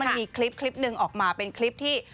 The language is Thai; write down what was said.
มันมีคลิปหนึ่งออกมาเป็นคลิปที่